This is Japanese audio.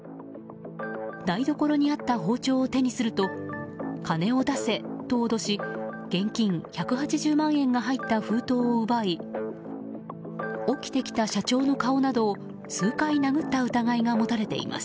台所にあった包丁を手にすると金を出せと脅し現金１８０万円が入った封筒を奪い起きてきた社長の顔などを数回殴った疑いが持たれています。